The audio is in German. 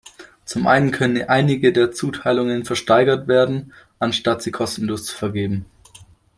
Zum einen können einige der Zuteilungen versteigert werden, anstatt sie kostenlos zu vergeben.